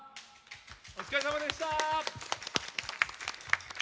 お疲れさまでした！